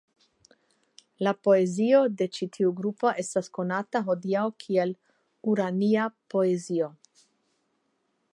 La poezio de ĉi tiu grupo estas konata hodiaŭ kiel "urania poezio.